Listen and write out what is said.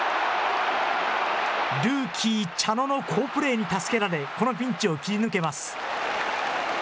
ルーキー茶野の好プレーに助けられこのピンチを切り抜けます。